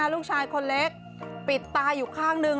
ลูกชายคนเล็กปิดตาอยู่ข้างหนึ่ง